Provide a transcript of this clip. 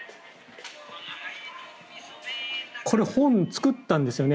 これ本作ったんですよね？